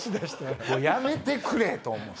やめてくれと思って。